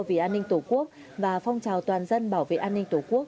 vì an ninh tổ quốc và phong trào toàn dân bảo vệ an ninh tổ quốc